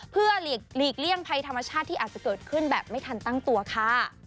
เพื่อหลีกเลี่ยงภัยธรรมชาติที่อาจจะเกิดขึ้นแบบไม่ทันตั้งตัวค่ะ